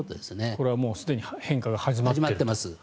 これはもうすでに変化が始まっていると。